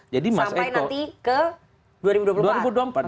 sampai nanti ke